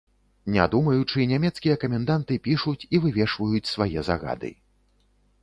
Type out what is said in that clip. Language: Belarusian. Не думаючы, нямецкія каменданты пішуць і вывешваюць свае загады.